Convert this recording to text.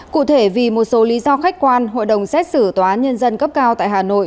cụ thể vì một số lý do khách quan hội đồng xét xử tòa án nhân dân cấp cao tại hà nội